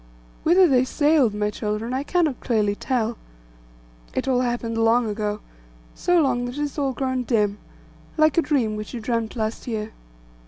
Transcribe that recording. Whither they sailed, my children, I cannot clearly tell. It all happened long ago; so long that it has all grown dim, like a dream which you dreamt last year.